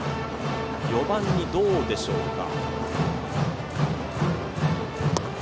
４番にどうでしょうか。